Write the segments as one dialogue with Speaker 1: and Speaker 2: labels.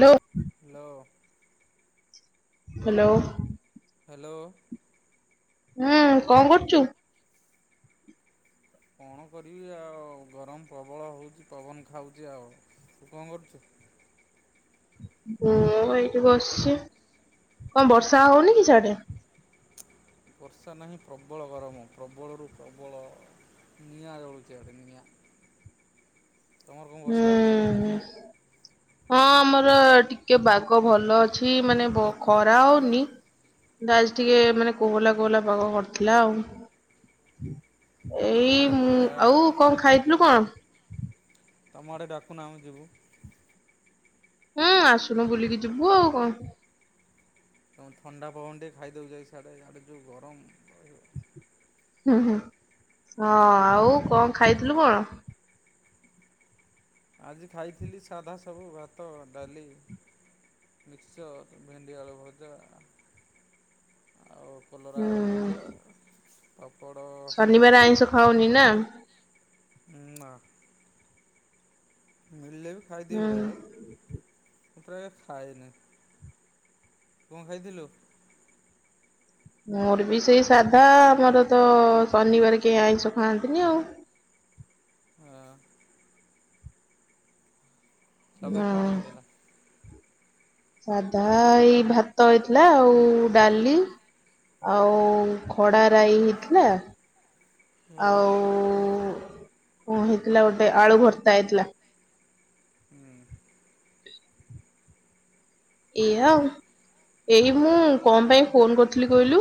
Speaker 1: ଲୋ।
Speaker 2: Hello.
Speaker 1: Hello.
Speaker 2: Hello.
Speaker 1: ହୁଁ କଣ କରୁଛୁ?
Speaker 2: କଣ କରିବି ଆଉ ଗରମ ପ୍ରବଳ ହଉଛି। ପବନ ଖାଉଛି ଆଉ। ତୁ କଣ କରୁଛୁ? ହ [unintelligible]
Speaker 1: ହୁଁ ଏଇଠ ବସିଛି, କଣ ବର୍ଷା ହଉନି କି ସେଆଡେ?
Speaker 2: ବର୍ଷା ନାହିଁ ପ୍ରବଳ ଗରମ, ପ୍ରବଳରୁ ପ୍ରବଳ। ନିଆ ଜଳୁଛି ନିଆ
Speaker 1: ହୁଁ ହ
Speaker 2: ହଁ [unintelligible]
Speaker 1: ହଁ ଆମର ଟିକେ ବାଘ ଭଲ ଅଛି ମାନେ ଖରା ହଉନି ଦ ଟିକେ ମାନେ କୋହଲା କୋହଲା ପାଗ କରିଥିଲା ଆଉ
Speaker 2: [unintelligible] ତମ
Speaker 1: ଏଇ,
Speaker 2: ଆଡ଼େ ପଳେଇବା
Speaker 1: ଆଉ କଣ ଖାଇଥିଲୁ କଣ?
Speaker 2: ତମ ଆଡେ ଡାକୁନ ଆମେ ଯିବୁ।
Speaker 1: ହୁଁ ଆସୁନୁ ବୁଲିକି ଯିବୁ ଆଉ କଣ?
Speaker 2: ତଣ ଥଣ୍ଡା ପବନ ଟେ ଖାଇ ଦଉଛି, ସାଡେ, ଯୋଉ ଗରମ ରହିବ
Speaker 1: ହୁଁ ହୁଁ ହଁ ଆଉ କଣ ଖାଇଥିଲୁ କଣ?
Speaker 2: ଆଜି ଖାଇଥିଲି ସାଧା ସବୁ ଭାତ, ଡାଲି ମିକ୍ସ, ଭେଣ୍ଡି ଆଳୁ ଭଜା ଆଉ କଲରା
Speaker 1: ହୁଁ।
Speaker 2: ଆଳୁ ଭଜା, ପାପଡ
Speaker 1: ଶନିବାର ଆଇଁଷ ଖାଉନି ନା?
Speaker 2: ନା ମିଳିଲେ ବି ଖାଇଦିଏ
Speaker 1: ହୁଁ।
Speaker 2: ବେଳେବେଳେ, ପ୍ରାୟ ଖାଏନି କଣ ଖାଇଥିଲୁ?
Speaker 1: ମୋର ବି ସେଇ ସାଧା ଆମର ତ ଶନିବାର କେହି ଆଇଁଷ ଖାଆନ୍ତିନି ଆଉ
Speaker 2: ହଁ [unintelligible] ସଧା କଣ
Speaker 1: ହଁ
Speaker 2: ହେଇଥିଲା?
Speaker 1: ସାଧା ଏଇ ଭାତ ହେଇଥିଲା ଆଉ ଡାଲି ଆଉ ଖଡାରାଇ ହେଇଥିଲା।
Speaker 2: ହୁଁ
Speaker 1: ଆଉ କଣ ହେଇଥିଲା ଗୋଟେ ଆଳୁ ଭର୍ତ୍ତା ହେଇଥିଲା।
Speaker 2: ହୁଁ
Speaker 1: [inaudible] ଏଆ,
Speaker 2: ଆଉ
Speaker 1: ଏଇ ମୁଁ କଣ ପାଇଁ ଫୋନ କରିଥିଲି କହିଲୁ?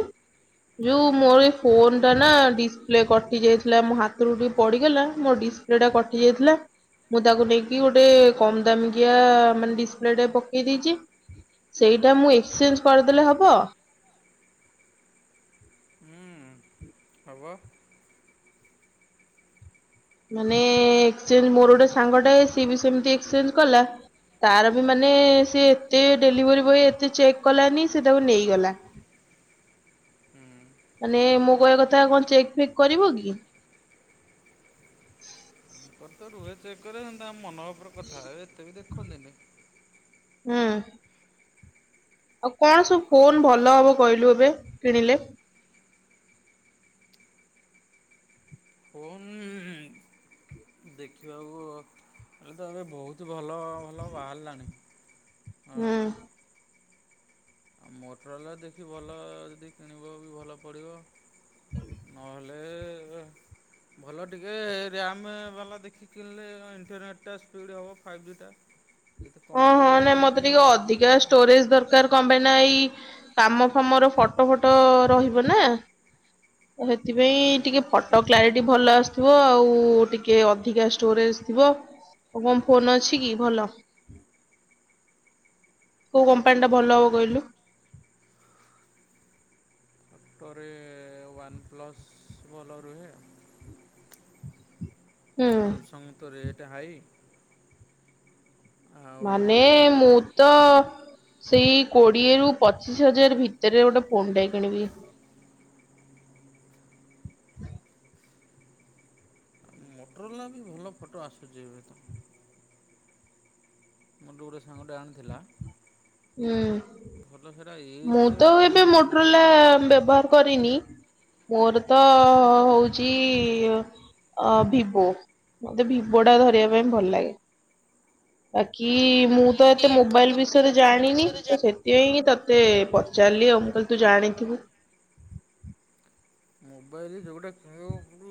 Speaker 1: ଯୋଉ
Speaker 2: ହୁଁ
Speaker 1: ମୋର ଫୋନ ନା ଡିସପ୍ଲେ କଟି ଯାଇଥିଲା ମୋ ହାତରୁ ଟିକେ ପଡିଗଲା, ମୋ ଡିସପ୍ଲେ ଟା କଟି ଯାଇଥିଲା। ମୁଁ ତାକୁ ନେଇକି ଗୋଟେ କମ ଦାମ କିିଆ, ମାନେ ଡିସପ୍ଲେ ଟେ ପକେଇ ଦେଇଛି। ସେଇଟା ମୁଁ ଏକ୍ସଚେଞ୍ଜ କରିଦେଲେ ହବ।
Speaker 2: ହବ।
Speaker 1: ମାନେ ଏକ୍ସଚେଞ୍ଜ, ମୋର ଗୋଟେ ସାଙ୍ଗ ଟା ସିଏ ବି ସେମିତି ଏକ୍ସଚେଞ୍ଜ କଲା। ତାର ବି ମାନେ
Speaker 2: ହୁଁ ହୁଁ
Speaker 1: ସେ ଏତେ ଡେଲିଭରି ବୟ, ଏତେ ଚେକ୍ କଲାନି ସେ ତାକୁ ନେଇଗଲା।
Speaker 2: [unintelligible] ତାଙ୍କର
Speaker 1: ମାନେ ମୁଁ କହିବା କଥା କଣ, ଚେକ୍ ଫେକ୍ କରିବ କି?
Speaker 2: ତାର ତ ରୁହେ ଚେ କନ୍ତା [unintelligible] ଆମ ମନ ଉପରେ କଥା, ଏତେ ବି ଦେଖନ୍ତିନି।
Speaker 1: ହଁ ଆଉ କଣ ସବୁ ଫୋନ ଭଲ ହବ କହିଲୁ ଏବେ କିଣିଲେ
Speaker 2: [unintelligible] ହଣ [unintelligible] ଦେଖିବାକୁ ତ ଏବେ ବହୁତ ଭଲ, ଭଲ ବାହାରିଲାଣି। ହଁ।
Speaker 1: ହୁଁ
Speaker 2: ଆଉ ମୋଟରଲା ଦେଖି ଭଲ ଯଦି କିଣିବ ବି ଭଲ ପଡିବ, ନହେଲେ ଆଲେ [unintelligible] ଭଲ ଟିକେ ରମ୍ ବାଲା ଦେଖି କିଣିଲେ, ଇଣ୍ଟରନେଟ୍ଟା ସ୍ପିଡ଼୍ ହେବ ଫାଇଭ୍ ଜିଟା। ଯେତେ
Speaker 1: ହଁ
Speaker 2: କମ୍
Speaker 1: ହଁ,
Speaker 2: ରାମ୍
Speaker 1: ନାଇଁ
Speaker 2: ଯଦି
Speaker 1: ମତେ ଟିକେ
Speaker 2: କିଣିବ
Speaker 1: ଅଧିକା ଷ୍ଟୋରେଜ ଦରକାର କଣ ପାଇଁ ନା ଏଇ କାମ, ଫାମ ର ଫଟୋ, ଫଟୋ ରହିବ ନା। ତ ସେଥିପାଇଁ,
Speaker 2: ହୁଁ ହୁଁ।
Speaker 1: ଟିକେ ଫଟୋ କ୍ଲାରିଟି ଟିକେ ଭଲ ଆସୁଥିବ। ଆଉ ଟିକେ ଅଧିକା, ଷ୍ଟୋରେଜ୍ ଥିବ। ଆଉ କଣ, ଫୋନ ଅଛି କି ଭଲ?
Speaker 2: [inaudible]
Speaker 1: କୋଉ କମ୍ପାନୀ ଟା, ଭଲ ହବ କହିଲୁ?
Speaker 2: ଅଟୋରେ, ୱାନ୍ ପ୍ଲସ୍ ଭଲ ରୁହେ।
Speaker 1: ହୁଁ
Speaker 2: ସାମସଙ୍ଗ ତ ରେଟ୍ ହାଇ। ଆଉ
Speaker 1: ମାନେ ମୁଁ ତ ସେଇ କୋଡିଏରୁୁ, ପଚିଶ ହଜାର ଭିତରେ, ଗୋଟେ ଫୋନ ଟା କିଣିବି।
Speaker 2: [inaudible] ମୋଟ୍ରୋରଲା ବି ଭଲ ଫଟୋ ଆସୁଛି ଏବେ ତ। ମୋର ଡ଼ୁ ଗୋଟେ ସାଙ୍ଗଟେ ଆଣିଥିଲା।
Speaker 1: ହୁଁ।
Speaker 2: ଭଲ ସେଇଟା
Speaker 1: ମୁଁ
Speaker 2: ଏଜ୍ର
Speaker 1: ତ
Speaker 2: କଣ
Speaker 1: ଏବେ
Speaker 2: ଗୋଟେ
Speaker 1: ମୋଟ୍ରୋ
Speaker 2: ମଡ଼େଲ୍।
Speaker 1: ଲା ବ୍ୟବହାର କରିନି। ମୋର ତ ହଉଚି ଅ' ଭିବୋ। ମତେ ଭିବୋ ଟା ଧରିବା ପାଇଁ ଭଲ ଲାଗେ। ବାକି, ମୁଁ
Speaker 2: କି
Speaker 1: ତ ଏତେ
Speaker 2: ମୁଁ ତ
Speaker 1: ମୋବାଇଲ
Speaker 2: ଏତେ
Speaker 1: ବିଷୟରେ,
Speaker 2: ମୋବାଇଲ
Speaker 1: ଜାଣିନି।
Speaker 2: ବିଷୟରେ ଜା
Speaker 1: ତ ସେଥିପାଇଁ ତତେ ପଚାରିଲି। ମୁଁ କହିଲି ତୁ ଜାଣିଥିବୁ।
Speaker 2: ମୋବାଇଲ ଯୋଗୁଟା କିଣିବୁ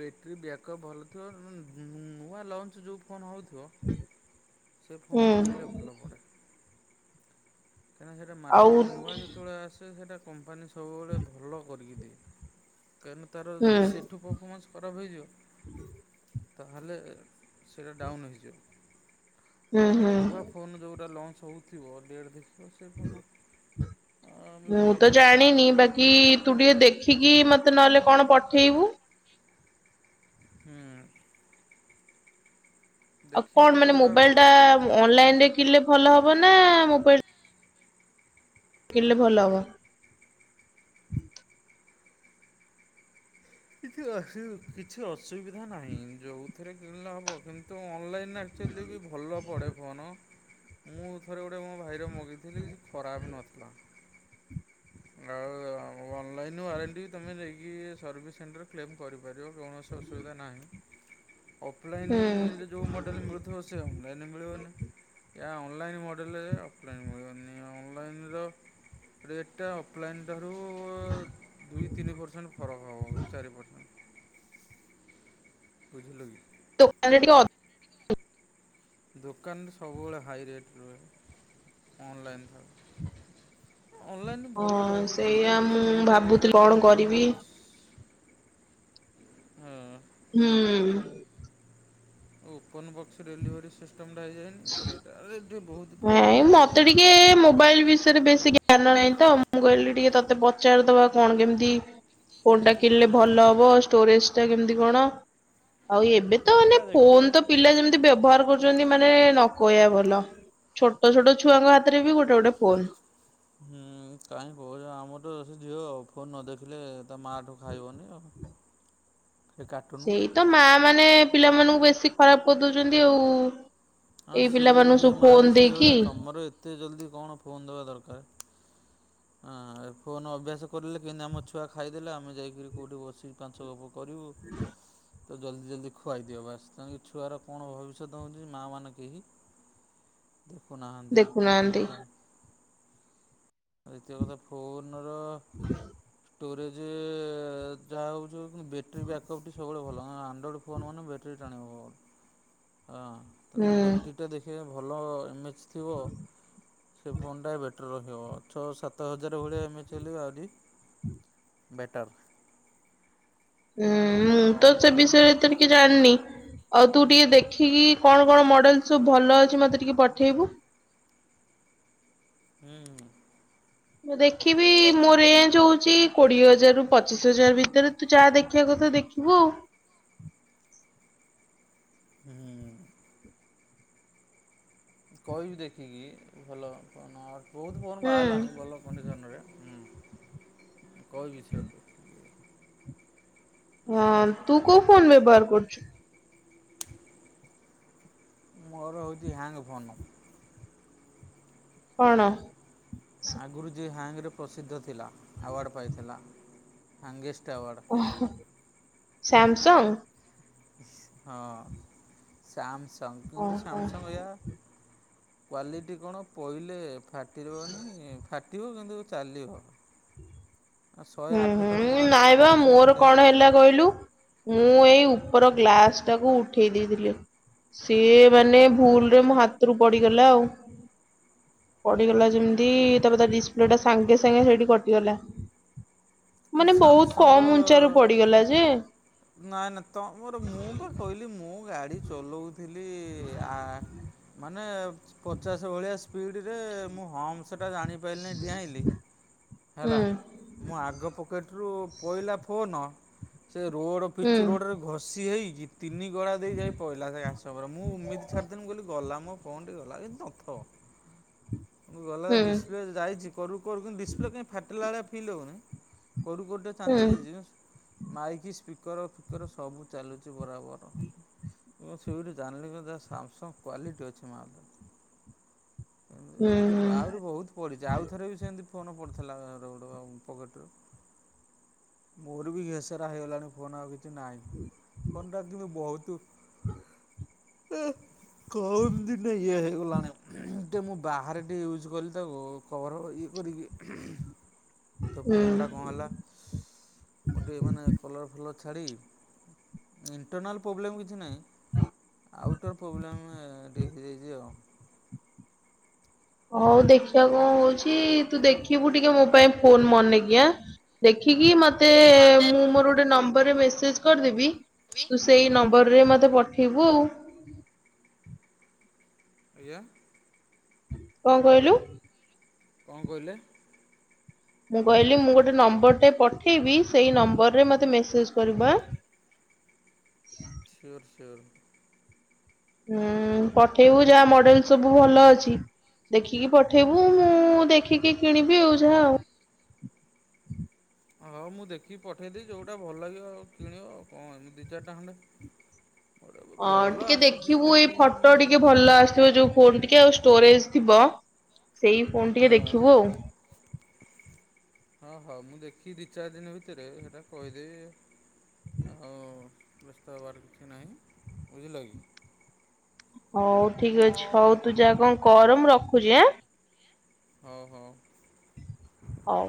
Speaker 2: ବ୍ୟାଟେରୀ ବ୍ୟାକଅପ୍ ଭଲ ଥିବ। ନୁ-ନୂଆ ଲଞ୍ଚ ଯୋଉ ଫୋନ ହଉ ଥି ବ, ସେ
Speaker 1: ହୁଁ
Speaker 2: ଫୋନ୍ କିଣିଲେ ଭଲ ପଡ଼େ। କାହିଁକିନା, ସେଟା
Speaker 1: ଆଉ
Speaker 2: ମାର୍କେଟ କୁ ନୂଆ ଯେତେବେଳେ ଆସେ, ସେଇଟା କମ୍ପାନୀ ସବୁବେଳେ ଭଲ କରିକି ଦିଏ। କାରଣ ତାର
Speaker 1: ହୁଁ
Speaker 2: ଯଦି ସେଠୁ ପରଫମାନ୍ସ ଖରାପ ହେଇଯିବ ତାହଲେ, ସେଇଟା ଡାଉନ୍ ହେଇଜୀବ।
Speaker 1: ହୁଁ ହୁଁ।
Speaker 2: ନୂଆ ଫୋନ ଯଉଟା ଲଞ୍ଚ ହଉଥିବ ଡେଟ ଦେଖି ବି ଭଲ
Speaker 1: ମୁଁ ତ
Speaker 2: ପଡ଼େ
Speaker 1: ଜାଣିନି,
Speaker 2: ଆଉ
Speaker 1: ବାକି ତୁ ଟିକେ ଦେଖିକି ମତେ ମତେ ନହେଲେ କଣ, ପଠେଇବୁ?
Speaker 2: ହୁଁ।
Speaker 1: ଆଉ,
Speaker 2: ଦେଖିକି
Speaker 1: କଣ
Speaker 2: ବି
Speaker 1: ମାନେ
Speaker 2: ଯେଉଁଟା
Speaker 1: ମୋବାଇଲ୍
Speaker 2: ଭଲ
Speaker 1: ଟା
Speaker 2: ଥିବ
Speaker 1: ଅନଲାଇନରେ କିଣିଲେ ଭଲ ହବ ନା? ମୋବାଇଲ୍ କିଣିଲେ ଭଲ ହବ।
Speaker 2: କିଛି ଅସୁ, କିଛି ଅସୁବିଧା ନାହିଁ ଯୋଉଥିରେ କିଣିଲେ ହବ। କିନ୍ତୁ ଅନଲାଇନ ଏନା ଆକଚୁଆଲି ବି ଭଲ ପଡ଼େ ଫୋନ। ମୁଁ, ଥରେ ଗୋଟେ ମୋ ଭାଇର ମଗେଇଥିଲି, କିଛି ଖରାପ ନଥିଲା। ଆଉ ଅନଲାଇନ ୱାରେଣ୍ଟି ତମେ ନେଇକି ସର୍ଭିସ୍ ସେଣ୍ଟର୍ କ୍ଲେମ୍ କରିପାରିବ। କୌଣସି ଅସୁବିଧା ନାହିଁ।
Speaker 1: ହୁଁ
Speaker 2: ଅଫଲାଇନ ରେ ଯୋଉ ମଡେଲ୍ ମିଳୁଥିବ, ସେ ଅନଲାଇନ୍ ରେ ମିଳିବନି। ଏହା ଅନଲାଇନ୍ ମଡ଼େଲ, ଅଫ୍ଲାଇନ୍ ମିଳିବନି ଅନଲାଇନ୍ ର ରେଟ ଟା ଅଫଲାଇନ୍ ଠାରୁ, ଦୁଇ ତିନି ପରସେଣ୍ଟ୍ ଫରକ ହବ। ବୁଝିଲୁ କି?
Speaker 1: ଦୋକାନ୍ ରେ ଟିକିଏ ଅ
Speaker 2: ଦୋକାନ୍ ସବୁବେଳେ ହାଇ ରେଟ୍ ରୁହେ, ଅନଲାଇନ ଠାରୁ। ଅନଲାଇନ ଭଲ
Speaker 1: ହଁ
Speaker 2: ରହୁଛି। ଏବେ
Speaker 1: ସେଇଆ
Speaker 2: ଯୋଉ
Speaker 1: ମୁଁ
Speaker 2: ଷ୍ଟିଟ୍
Speaker 1: ଭାବୁଥିଲି
Speaker 2: ହେଇଗଲାଣିି
Speaker 1: କଣ
Speaker 2: ଓପନ
Speaker 1: କରିବି
Speaker 2: ବକ୍ସ ହୁଁ।
Speaker 1: ହୁଁ।
Speaker 2: ଓପନ ବକ୍ସ, ଡେଲିଭରି ସିଷ୍ଟମ ଟା ହେଇଯାଇନି, ସେଇଟା, ଏ
Speaker 1: ନାଇଁ ମତେ ଟିକେ, ମୋବାଇଲ୍ ବିଷୟରେ ବେଶୀକି ଜ୍ଞାନ ନାହିଁ ତ। ମୁଁ କହିଲି ଟିକେ ତତେ ପଚାରିଦବା, କଣ କେମିତି ଫୋନ୍ ଟା କିଣିଲେ ଭଲ ହବ। ଷ୍ଟୋରେଜ୍ ଟା କେମିତି କଣ? ଆଉ ଏବେ ତ
Speaker 2: ହୁଁ
Speaker 1: ମାନେ ଫୋନ ତ ପିଲା ଯେମିତି ବ୍ୟବହାର କରୁଛନ୍ତି। ମାନେ ନ କହିବା ଭଲ। ଛୋଟ, ଛୋଟ ଛୁଆଙ୍କ ହାତରେ ବି ଗୋଟେ, ଗୋଟେ ଫୋନ୍।
Speaker 2: ହୁଁ, କାହିଁ କହୁଛ। ଆମର ତ ସେ ଝିଅ ଫୋନ ନ ଦେଖିଲେ ମାଠୁ ଖାଇବନି ଆଉ। ସେ କାର୍ଟୁନ
Speaker 1: ସେଇ ତ ମା ମାନେ ପିଲାମାନଙ୍କୁ ବେଶୀ ଖରାପ କରିଦଉଛନ୍ତି ଆଉ।
Speaker 2: ଆଉ
Speaker 1: ଏଇ
Speaker 2: ସେ ବି
Speaker 1: ପିଲାମାନଙ୍କୁ
Speaker 2: ସେ
Speaker 1: ସବୁ
Speaker 2: ମାଆ
Speaker 1: ଫୋନ
Speaker 2: ବି
Speaker 1: ଦେଇକି
Speaker 2: ସେଇଭଳିଆ ତମର ଏତେ ଜଲ୍ଦିି କଣ ଫୋନ ଦେବା ଦରକାର ଆଁ ଫୋନ ଅଭ୍ୟାସ କରେଲେ, କେମତି ଆମ ଛୁଆ ଖାଇଦେଲେ, ଆମେ ଯାଇକିରି କୋଉଠି ବସି ପାଞ୍ଚ ଗପ କରୁ ବୁ। ତ ଜଲ୍ଦି ଜଲ୍ଦି ଖୁଆଇ ଦିଅ ବାସ। ତେଣି ଛୁଆର କଣ ଭବିଷ୍ୟତ ହଉଛି? ମା ମାନେ କେହି ଦେଖୁ ନାହାନ୍ତି ପ୍ରଥମ
Speaker 1: ଦେଖୁନାହାନ୍ତି
Speaker 2: କଥା ଦ୍ୱିତୀୟ କଥା ଫୋନ ର ଷ୍ଟୋରେଜେ ଜ ଯା ହଉଛି ଉଛି ବେଟ୍ରୀ ବ୍ୟକଅପ୍ ଟି ସବୁବେଳେ ଭଲ। ଅଁଆଣ୍ଡ୍ରଏଡ ଫୋନ୍ ମାନେ ବେଟ୍ରି ଟାଣିବ ହଁ ତେଣୁ
Speaker 1: ହୁଁ।
Speaker 2: ବେଟିର୍ ଟା ଦେଖିବା ଭଲ ଏମଚ୍ ଥିବ ସେ ଫୋନଟା ବେଟର ରଖିବ। ଛଅ ସାତ ହଜାର ଭଳିଆ ଏମେଚ୍ ହେଲେବି ଆହୁରି ବେଟର୍।
Speaker 1: ହୁଁ,
Speaker 2: ଆଉ
Speaker 1: ମୁଁ ତ
Speaker 2: କମ୍
Speaker 1: ସେ
Speaker 2: ଆଉ ମାନେ
Speaker 1: ବିଷୟରେ ଏତେ କିି ଜାଣ୍ନି ଆଉ ତୁ ଟିକେ ଦେଖିକି କଣ କଣ ମଡେଲ ସବୁ ଭଲ ଅଛି? ମତେ ଟିକେ ପଠେଇବୁ।
Speaker 2: ହୁଁ।
Speaker 1: ମୁଁ ଦେଖିବି
Speaker 2: ଦେଖି
Speaker 1: ମୋର ରେଞ୍ଚ୍ ଯୋଉ ଛି କୋଡିଏ ହଜାରରୁୁ ପଚିଶ ହଜାର ଭିତରେ ତୁ ଯାହା ଦେଖିବା କଥା ଦେଖିବୁ।
Speaker 2: [inaudible] ହୁଁ। କହିବି ଦେଖିକି ଭଲ। କଣ? ବହୁତ ପୋନ
Speaker 1: ହୁଁ
Speaker 2: ବାହାରିଲାଣି ଭଲ କଣ୍ଡିସନ ରେ ହୁଁ। କଉ ବି ସେ ଆଉ
Speaker 1: ହଁ ତୁ କଉ ଫୋନ ବ୍ୟବହାର କରୁଛୁ
Speaker 2: ମୋର ହଉଛି ହ୍ୟାଙ୍ଗ ଫୋନ୍।
Speaker 1: କଣ?
Speaker 2: ଆଗରୁ ଯିଏ ହାଙ୍ଗ ରେ ପ୍ରସିଦ୍ଧ ଥିଲା ଆୱାର୍ଡ ପାଇଥିଲା ହଙ୍ଗ ତୱଡ଼।
Speaker 1: ସ୍ୟାମସଙ୍ଗ?
Speaker 2: ହଁ ସାମସଙ୍ଗ କିନ୍ତୁ
Speaker 1: ଓହୋ।
Speaker 2: ସାମସଙ୍ଗ ଅଜା। କ୍ଵାଲିଟି କଣ ପହିଲେ ଫାଟିରିବନି ଫାଟିବ କିନ୍ତୁ ଚାଲିବ। [inaudible] ଶହେ
Speaker 1: ହୁଁ
Speaker 2: ଆଠ ଥର ମୋ
Speaker 1: ହୁଁ
Speaker 2: ହାତରୁ
Speaker 1: ନାଇଁ ବା
Speaker 2: ପଡ଼ିଛି
Speaker 1: ମୋର କଣ
Speaker 2: ଚାଲିଲା
Speaker 1: ହେଲା କହିଲୁ ମୁଁ ଏଇ ର ଗ୍ଲାସ ଟାକୁ ଉଠେଇ ଦେଇଥିଲି। ସିଏ ମାନେ ଭୁଲରେ ମୋ ହାତରୁ ପଡିଗଲା ଆଉ। ପଡିଗଲା ଯେମିତି ତାପରେ ତା ଡିସପ୍ଲେ ଟା ସାଙ୍ଗେ ସାଙ୍ଗେ ସେଠି
Speaker 2: କିନ୍ତୁ
Speaker 1: ମାନେ ବହୁତ କମ ଉଞ୍ଚା ର
Speaker 2: ସାମସଙ୍ଗ୍
Speaker 1: ପଡିଗଲା ଯେ।
Speaker 2: ନାଇଁ ନାଇ ତମର ମୁଁ ବା କହିଲି ମୁଁ ମୁଁ ଗାଡି ଚଲାଉଥିଲି ଆ ମାନେ ପଚାଶ ଭଳିଆ ସ୍ପିଡ ରେ ମୁଁ ହମ ଜାଣିପାରିଲି ଡିଆଇଲି
Speaker 1: ହୁଁ
Speaker 2: ହେଲା ମୁଁ ଆଗ ପକେଟ ପହିଲା ଫୋନ ସେ ରୋଡ
Speaker 1: ହୁଁ
Speaker 2: ପିଚୁ ରୋଡ ରେ ଘଷି ହେଇଛି ତିନି ଗଳା ଦେଇ ଯାଇ ପହିଲା ସେ ଘସ ମୁଁ ଉମିତି ଛାଡିଦିନି କହ ଗଲା କଣ ଗଲା କି ନଥ ଗଲା
Speaker 1: ହୁଁ
Speaker 2: ଡିସପ୍ଲେ ଯାଇଛି କରୁ କରୁନ୍ତ। ଫିଲ ଫଉନି କୋଉଠୋ
Speaker 1: ହୁଁ
Speaker 2: ଫିକର ଫିକର ସବୁ ଚାଲୁଛି ବରାବର ମୁଁ ସେଠ ଜାଣିଲି ଯ ସାମସଙ୍ଗ କ୍ଵାଲିଟି ଅଛି ମା
Speaker 1: ହୁଁ
Speaker 2: ଏତେ ଆହୁରି ବହୁତ ପଡିଛି ଆଉ ଥରେ ବି ସେମତି ଫୋନ ପଡି ଥିଲାକ ମୋର ବି ପକେଟ ରେ ଘେସରା ହେଇଗଲାଣି ଫୋନ ଆଉ। ନାହିଁ ଫୋନ ଟା କିନ୍ତୁ ବହୁତ।
Speaker 1: ହଁ।
Speaker 2: ଏଁ କମ ଦିନେ ଇଏ ଗଲାଣି ଟିକେ ମୁଁ ବାହାରେ ଟିକେ ୟୁଜ୍ କଲି ତାକୁ କଭର ଇଏ କରିକି। ତ
Speaker 1: ହୁଁ ହୁଁ।
Speaker 2: ଫୋନ ଟା କଣ ହେଲା ଟିକେ ମାନେ କଲର ଫଲର ଛାଡି। ଇଣ୍ଟରନାଲ ପ୍ରୋବ୍ଲେମ କିଛି ନାହିଁ। ଆଉଟର ପ୍ରୋବ୍ଲେମ ଟିକ ହେଇଯାଇଛି ଆଉ।
Speaker 1: ହଉ ଦେଖିବା କଣ ହଉଛି ତୁ ଦେଖିବୁ ଟିକେ ମୋ ପାଇଁ ଫୋନ ମନେକି ଆଁ। ଦେଖି। ଦେଖିକି ମତେ
Speaker 2: କି ମତେ
Speaker 1: ମୁଁ ମୋର ଗୋଟେ ନମ୍ବରରେ ମେସେଜ କରିଦେବି
Speaker 2: ବି
Speaker 1: ତୁ ସେଇ ନମ୍ ନମ୍ବର ରେ ମତେ ପଠେଇବୁ।
Speaker 2: ଆଜ୍ଞା।
Speaker 1: କଣ କହିଲୁ।
Speaker 2: କଣ କହିଲେ।
Speaker 1: ମୁଁ କହିଲି ମୁଁ ଗୋଟେ ନମ୍ବରଟା ପଠେଇବି ସେଇ ନମ୍ବରରେ ମତେ ମେସେଜ କରିବୁ ଆଁ।
Speaker 2: Sure sure.
Speaker 1: ହୁଁ ପଠେଇବୁ ଯାହା ମଡେଲ ସବୁ ଭଲ ଅଛି। ଦେଖିକି ପଠେଇବୁ ମୁଁ ଦେଖିକି କିଣିବି ଆଉ ଯାହା ଆଉ।
Speaker 2: ହଁ ମୁଁ ଦେଖିକି ପଠେଇଦି ଯୋଉଟା ଭଲ ଲାଗିବ ଆଉ କିଣିବ ଆଉ କଣ ଏମି ଦି ଚାରିଟା ଖଣ୍ଡେ। ହଁ
Speaker 1: ହଁ ଟିକେ ଦେଖିବୁ ଏଇ ଫଟୋ
Speaker 2: ମୁଁ
Speaker 1: ଟିକେ ଭଲ ଆସଥିବ ଯୋଉ ଫୋନ ଟିକେ ଆଉ। ଷ୍ଟୋରେଜ ଥିବ ସେଇ ଫୋନ୍
Speaker 2: ହଁ
Speaker 1: ଟିକେ ଦେଖିବୁ ଆଉ।
Speaker 2: ହଁ ହଁ ମୁଁ ଦେଖି ଦି ଚାରି ଦିନ ଭିତରେ ସେଟା କହିଦେବି। ଆଉ ବ୍ୟସ୍ତ ହେବାର କିଛି ନାହିଁ ବୁଝିଲ କି।
Speaker 1: ହଉ ଠିକ ଅଛି ହଉ ତୁ ଯାହା କଣ ଗରମ ରଖୁଛି ଆଁ।
Speaker 2: ହଉ ହଉ।
Speaker 1: ହଉ।